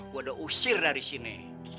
gue udah usir dari sini